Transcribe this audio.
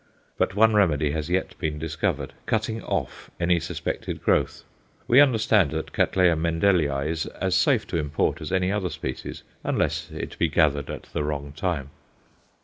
But one remedy has yet been discovered cutting off any suspected growth. We understand now that C. Mendellii is as safe to import as any other species, unless it be gathered at the wrong time.